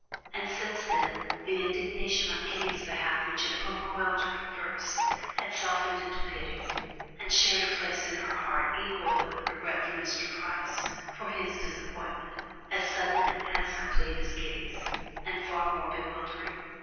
And since then, the indignation on Kitty's behalf, which had overwhelmed her at first, had softened into pity, and shared a place in her heart equally with regret for Mr. Price, for his disappointment, as sudden and as complete as Kitty's, and far more bewildering.